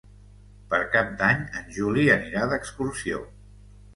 Per Cap d'Any en Juli anirà d'excursió.